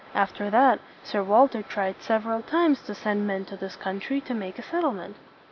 After that, Sir Walter tried sev er al times to send men to this country to make a set tle ment.